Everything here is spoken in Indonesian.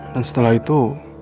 dan setelah itu